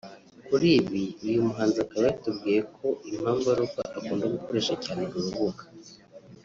kuriibi uyu muhanzi akaba yatubwiye ko impamvu ari uko akunda gukoresha cyane uru rubuga